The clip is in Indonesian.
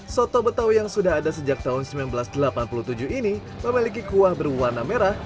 soto betawi yang sudah ada sejak tahun seribu sembilan ratus delapan puluh tujuh ini memiliki kuah berwarna merah